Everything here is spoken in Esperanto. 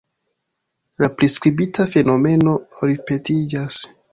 La priskribita fenomeno ripetiĝas.